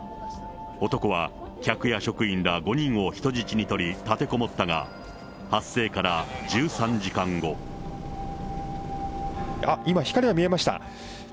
男は客や職員ら５人を人質に取り立てこもったが、あっ、今、光が見えました。